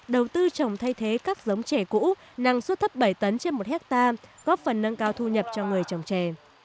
đầu tư trồng thay thế các giống chè cũ năng suất thấp bảy tấn trên một hectare góp phần nâng cao thu nhập cho người trồng trè